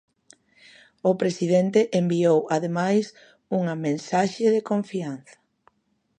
O presidente enviou, ademais, unha mensaxe de confianza.